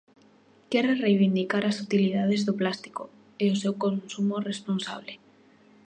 Quere reivindicar as utilidades do plástico, e o seu consumo responsable.